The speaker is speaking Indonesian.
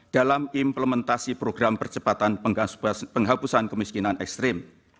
dalam implementasi program percepatan penghapusan kemiskinan ekstrim